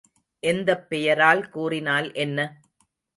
எந்தப் பெயரால் கூறினால் என்ன?